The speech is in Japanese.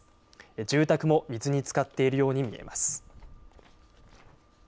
住宅も水につかっているように見えます。